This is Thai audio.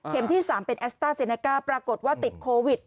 เห็นที่๓เป็นแอสตาร์เจรแนค่าปรากฏว่าติดโควิด